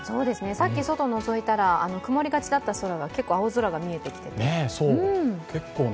さっき外をのぞいたら曇りがちだった空が青空が見えてきて。